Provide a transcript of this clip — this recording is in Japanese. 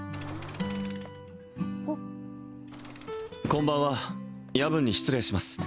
こんばんは夜分に失礼します